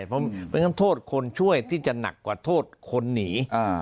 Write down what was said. ไม่ได้เพราะมันคือโทษคนช่วยที่จะหนักกว่าโทษคนหนี